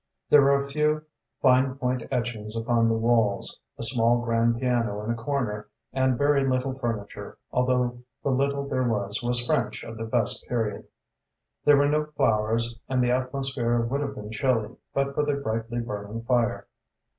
There were a few fine point etchings upon the walls, a small grand piano in a corner, and very little furniture, although the little there was was French of the best period. There were no flowers and the atmosphere would have been chilly, but for the brightly burning fire.